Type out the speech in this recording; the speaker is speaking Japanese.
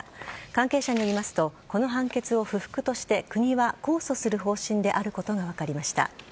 関係者によりますとこの判決を不服として国は控訴する方針であることが分かりました。